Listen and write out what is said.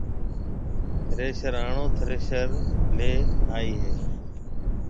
ٿريشر آݪو ٿريشر ليَ آئي هيَ۔